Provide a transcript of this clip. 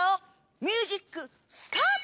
ミュージックスタート！